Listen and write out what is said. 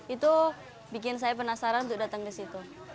itu bikin saya penasaran untuk datang ke situ